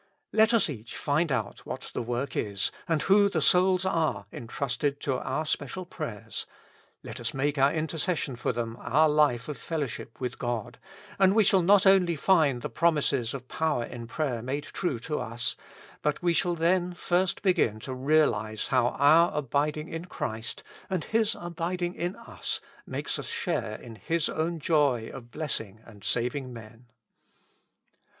Let us each find out what the work is, and who the souls are entrusted to our special prayers, let us make our intercession for them our life of fellowship with God, and we shall not only find the promises of power in prayer made true to us, but we shall then first begin to realize how our abiding in Christ and His abiding in us makes us share in His own joy of blessing and saving men.